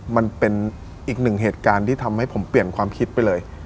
มันเป็นอีกหนึ่งเหตุการณ์ที่ทำให้ผมเปลี่ยนความคิดไปเลย